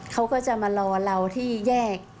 เขาก็จะมารอเราที่แยก